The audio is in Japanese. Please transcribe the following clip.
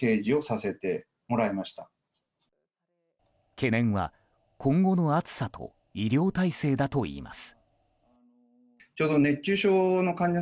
懸念は、今後の暑さと医療体制だといいます。